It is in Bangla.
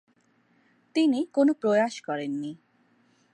তিনি কোনও প্রয়াস করেননি।